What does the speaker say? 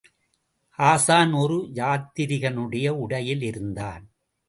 ஹாஸான், ஓர் யாத்திரிகனுடைய உடையில் இருந்தான்.